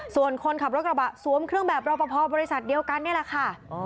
ส่วนคนขับรถกระบะสวมเครื่องแบบรอปภบริษัทเดียวกันนี่แหละค่ะ